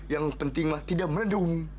yang penting mah tidak melendung